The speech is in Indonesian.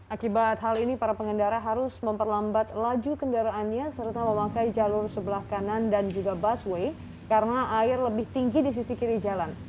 akibat hal ini para pengendara harus memperlambat laju kendaraannya serta memakai jalur sebelah kanan dan juga busway karena air lebih tinggi di sisi kiri jalan